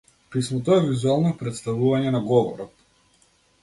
Писмото е визуелно претставување на говорот.